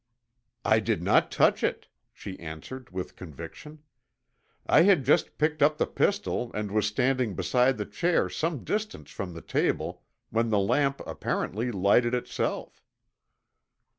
"I did not touch it," she answered with conviction. "I had just picked up the pistol and was standing beside the chair some distance from the table when the lamp apparently lighted itself."